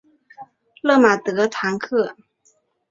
勒马德唐克。